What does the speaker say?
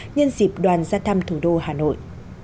nhân dịp đoàn gia thăm thủ đô hà nội